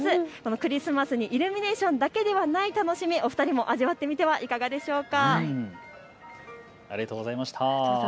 クリスマスにイルミネーションだけではない楽しみ、お二人も味わってみてはいかがでしょうか。